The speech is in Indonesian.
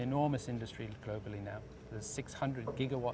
ini adalah industri yang luar biasa di dunia sekarang